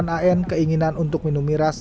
pengakuan an keinginan untuk minum miras